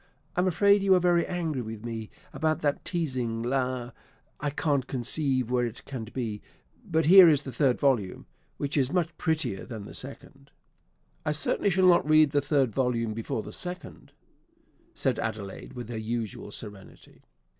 I'm afraid you are very angry with me about that teazing La I can't conceive where it can be; but here is the third volume, which is much prettier than the second." "I certainly shall not read the third volume before the second," said Adelaide with her usual serenity.